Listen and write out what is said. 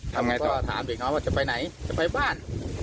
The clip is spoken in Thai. ทำไงก็ถามเด็กเขาว่าจะไปไหนจะไปบ้าน